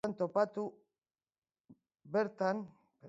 Bertan topatu du euskal idazlerik irakurriena bihurtzeko inspirazioa.